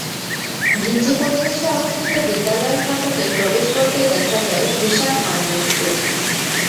ঘিঞ্জি পরিবেশে অবস্থিত বিদ্যালয়ের ফটকে প্রবেশ করতেই দেখা যায় বিশাল ময়লার স্তূপ।